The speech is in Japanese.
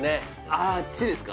あっちですか？